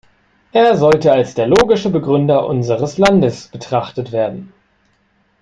Er sollte als der logische Begründer unseres Landes betrachtet werden".